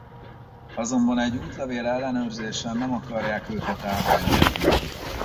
Azonban egy útlevél-ellenőrzésen nem akarják őket átengedni.